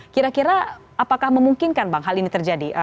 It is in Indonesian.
kira kira apakah memungkinkan bang hal ini terjadi